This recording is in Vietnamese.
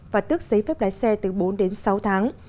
và tước giấy phép lái xe từ bốn đến sáu tháng